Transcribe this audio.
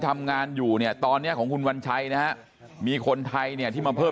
ทำงานอยู่เนี่ยตอนนี้ของคุณวัญชัยนะฮะมีคนไทยเนี่ยที่มาเพิ่ม